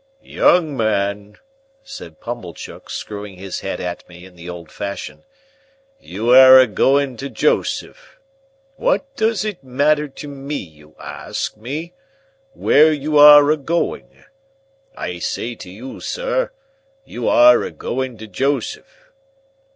"Young man," said Pumblechook, screwing his head at me in the old fashion, "you air a going to Joseph. What does it matter to me, you ask me, where you air a going? I say to you, Sir, you air a going to Joseph."